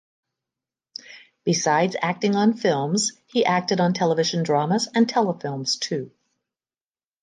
Besides acting on films he acted on television dramas and telefilms too.